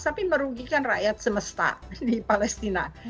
tapi merugikan rakyat semesta di palestina